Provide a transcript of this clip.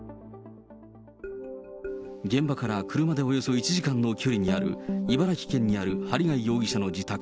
現場から車でおよそ１時間の距離にある茨城県にある針谷容疑者の自宅。